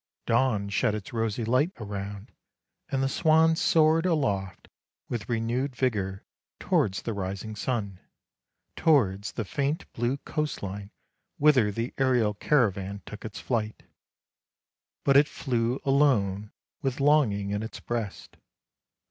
Dawn shed its rosy light around, and the swan soared aloft with renewed vigour towards the rising sun, towards WHAT THE MOON SAW 259 the faint blue coast line whither the aerial caravan took its flight. But it flew alone with longing in its breast.